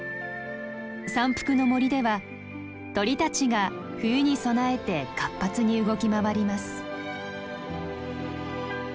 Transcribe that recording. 山腹の森では鳥たちが冬に備えて活発に動き回ります。